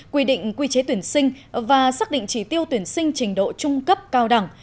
quy định quy chế tuyển sinh và xác định chỉ tiêu tuyển sinh trình độ trung cấp cao đẳng